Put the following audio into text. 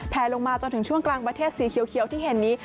ลงมาจนถึงช่วงกลางประเทศสีเขียวที่เห็นนี้